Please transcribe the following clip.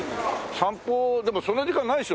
『散歩』でもそんな時間ないでしょ